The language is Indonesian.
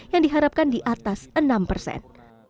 yang diharapkan di atas enam persen